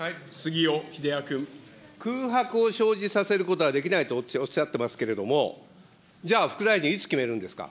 空白を生じさせることはできないとおっしゃってますけれども、じゃあ副大臣、いつ決めるんですか。